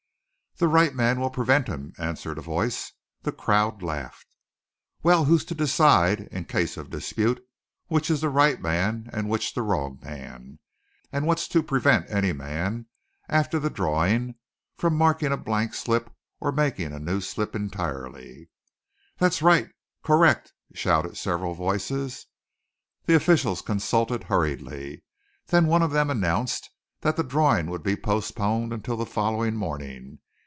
"The right man will prevent him," answered a voice. The crowd laughed. "Well, who's to decide, in case of dispute, which is the right man and which the wrong man? And what's to prevent any man, after the drawing, from marking a blank slip or making a new slip entirely?" "That's right!" "Correct!" shouted several voices. The officials consulted hurriedly. Then one of them announced that the drawing would be postponed until the following morning.